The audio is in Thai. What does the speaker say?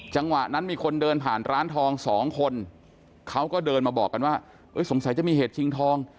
จังหวะนั้นมีคนเดินผ่านร้านทองสองคนเขาก็เดินมาบอกกันว่าสงสัยจะมีเหตุชิงทอง